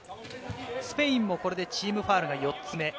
スペインもチームファウルが４つ目。